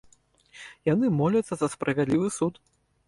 Яны моляцца за справядлівы суд.